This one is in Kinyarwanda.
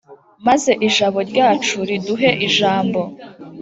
maze ijabo ryacu riduhe ijambo